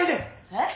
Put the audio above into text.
えっ！？